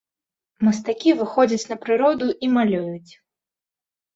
Мастакі выходзяць на прыроду і малююць.